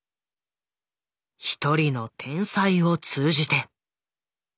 一人の天才を通じて。